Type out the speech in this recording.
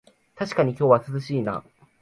たしかに今日は涼しいな